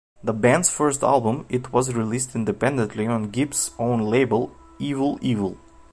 The band's first album, it was released independently on Gibb's own label EvilEvil.